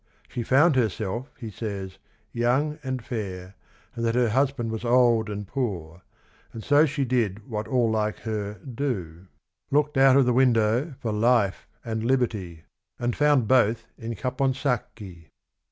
She found herself he says, young and fair, and that her husband was old and poor, and so she did what all like her do, "looked out of the window for life and liberty" — and found both in Caponsacchi.